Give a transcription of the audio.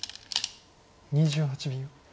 ２８秒。